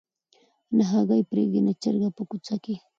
نه هګۍ پرېږدي نه چرګه په کوڅه کي